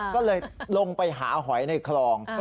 ก็เลยลงไปหาหอยในคลอง